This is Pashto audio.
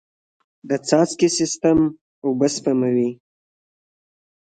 د څاڅکي سیستم اوبه سپموي.